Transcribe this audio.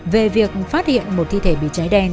về việc phát hiện một thi thể bị cháy đen